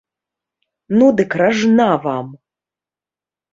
Ну дык ражна вам!